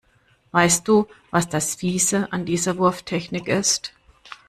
Weißt du, was das Fiese an dieser Wurftechnik ist?